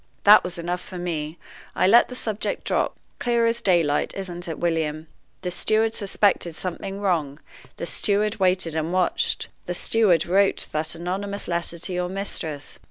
That was enough for me: I let the subject drop. Clear as daylight, isn't it, William? The steward suspected something wrong the steward waited and watched the steward wrote that anonymous letter to your mistress.